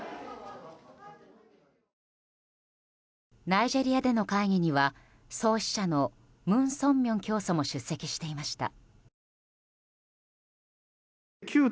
ナイジェリアでの会議には創始者の文鮮明教祖も出席していました。